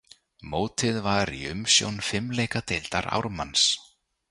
Mótið var í umsjón fimleikadeildar Ármanns.